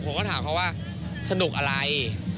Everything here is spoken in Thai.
ผมก็ถามเขาว่าสนุกอะไร